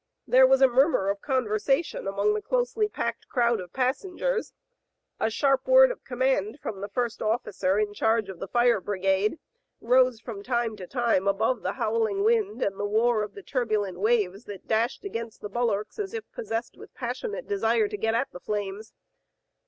There was a mur mur of conversation among the closely packed crowd of passengers. A sharp word of command from the first oflScer in charge of the fire brigade rose from time to time above the howling wind Digitized by Google 2S6 THE FA TE OF FENELLA, and the war of the turbulent waves that dashed against the bulwarks as if possessed with passion ate desire to get at the flames.